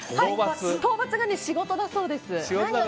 討伐が仕事だそうです。